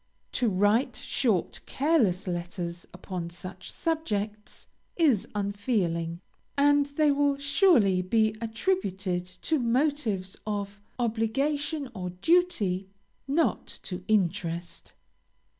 To write short, careless letters upon such subjects, is unfeeling, and they will surely be attributed to motives of obligation or duty, not to interest.